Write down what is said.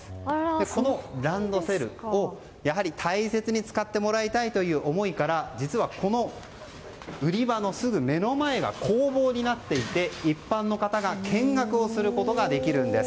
このランドセルを大切に使ってもらいたいという思いから実は、この売り場のすぐ目の前が工房になっていて一般の方が見学をすることができるんです。